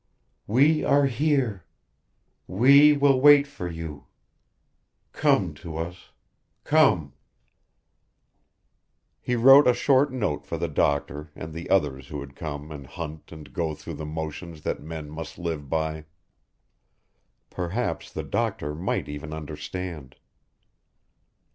"We are here we will wait for you ... come to us ... come ..." He wrote a short note for the doctor and the others who would come and hunt and go through the motions that men must live by. Perhaps the doctor might even understand.